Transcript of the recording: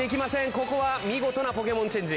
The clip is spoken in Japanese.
ここはみごとなポケモンチェンジ。